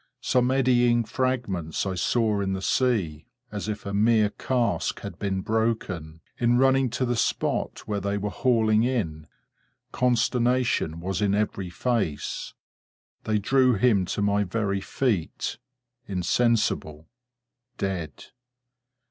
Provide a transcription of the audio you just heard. Some eddying fragments I saw in the sea, as if a mere cask had been broken, in running to the spot where they were hauling in. Consternation was in every face. They drew him to my very feet—insensible—dead.